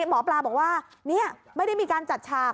หมอปลาบอกว่านี่ไม่ได้มีการจัดฉาก